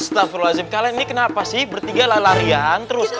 astaghfirullahaladzim kalian ini kenapa sih bertiga lalarian terus